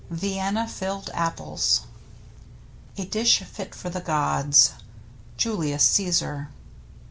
VIENNA FILLED APPLES A dish fit for the gods. — Julius Caesar.